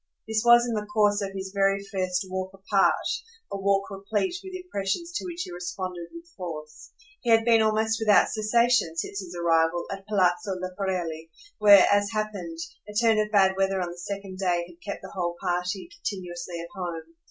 This was in the course of his very first walk apart, a walk replete with impressions to which he responded with force. He had been almost without cessation, since his arrival, at Palazzo Leporelli, where, as happened, a turn of bad weather on the second day had kept the whole party continuously at home.